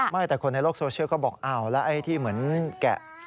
ไม่แต่คนในโลกโซเชียลก็บอกอ้าวแล้วไอ้ที่เหมือนแกะ